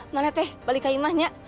nolete balik ke imahnya